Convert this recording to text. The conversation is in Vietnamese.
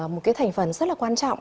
một cái thành phần rất là quan trọng